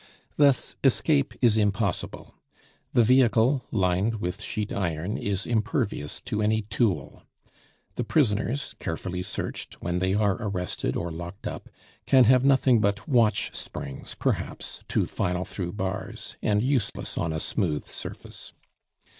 Thus escape is impossible. The vehicle, lined with sheet iron, is impervious to any tool. The prisoners, carefully searched when they are arrested or locked up, can have nothing but watch springs, perhaps, to file through bars, and useless on a smooth surface.